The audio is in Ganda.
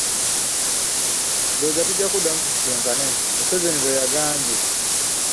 "Ndowooza tujja kuddamu tusisinkane.” Museveni bwe yagambye.